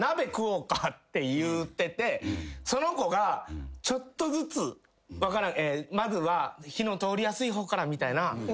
言うててその子がちょっとずつまずは火の通りやすい方からみたいな。